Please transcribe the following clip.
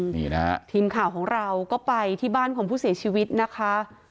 นี่นะฮะทีมข่าวของเราก็ไปที่บ้านของผู้เสียชีวิตนะคะ